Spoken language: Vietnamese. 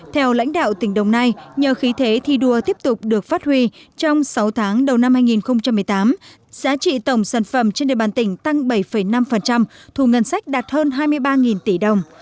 theo lãnh đạo tỉnh đồng nai nhờ khí thế thi đua tiếp tục được phát huy trong sáu tháng đầu năm hai nghìn một mươi tám giá trị tổng sản phẩm trên địa bàn tỉnh tăng bảy năm thù ngân sách đạt hơn hai mươi ba tỷ đồng